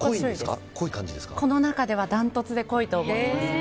この中では断トツで濃いと思います。